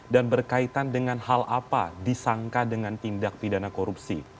dan berkaitan dengan hal apa disangka dengan tindak pidana korupsi